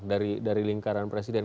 dari lingkaran presiden